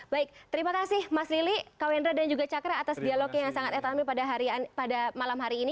baik terima kasih mas lili kak wendra dan juga cakra atas dialognya yang sangat etamil pada malam hari ini